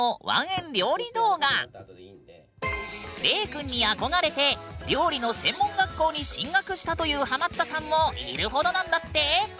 ＲＥＩくんに憧れて料理の専門学校に進学したというハマったさんもいるほどなんだって！